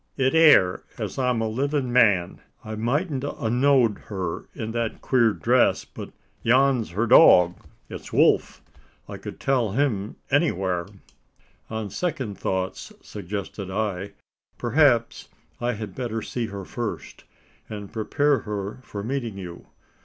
"It air, as I'm a livin' man! I mightn't a know'd her in that queer dress; but yon's her dog. It's Wolf: I kud tell him, any whar." "On second thoughts," suggested I, "perhaps, I had better see her first, and prepare her for meeting you!